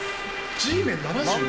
Ｇメン７５。